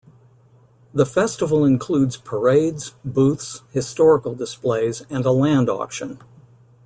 The festival includes parades, booths, historical displays, and a land auction.